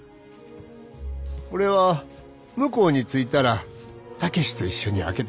「これは向こうについたら武志と一緒に開けてくれ。